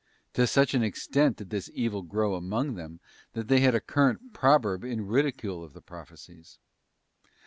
To such an extent did this evil grow among them that they had a current proverb in ridicule of the prophecies.